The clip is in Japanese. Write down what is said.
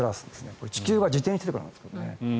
これ地球が自転しているからですがね。